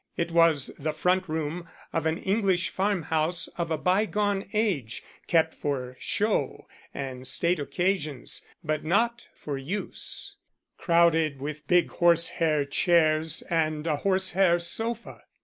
It was the front room of an English farm house of a bygone age, kept for show and state occasions but not for use, crowded with big horse hair chairs and a horse hair sofa.